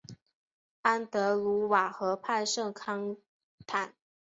安德鲁瓦河畔圣康坦。